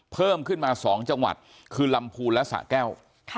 เพิ่มขึ้นมา๒จังหวัดคือลำพูนและสะแก้ว